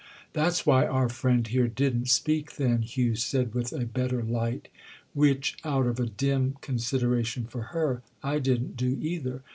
'" "That's why our friend here didn't speak then," Hugh said with a better light—"which, out of a dim consideration for her, I didn't do, either.